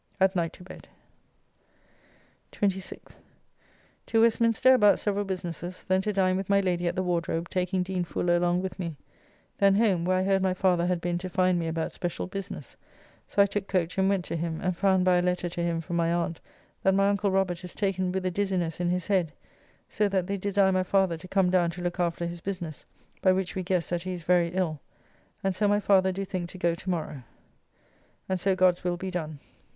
At night to bed. 26th. To Westminster about several businesses, then to dine with my Lady at the Wardrobe, taking Dean Fuller along with me; then home, where I heard my father had been to find me about special business; so I took coach and went to him, and found by a letter to him from my aunt that my uncle Robert is taken with a dizziness in his head, so that they desire my father to come down to look after his business, by which we guess that he is very ill, and so my father do think to go to morrow. And so God's will be done.